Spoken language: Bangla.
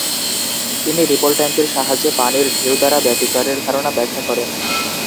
তিনি রিপল ট্যাঙ্কের সাহায্যে পানির ঢেউ দ্বারা ব্যাতিচারের ধারণা ব্যাখা করেন।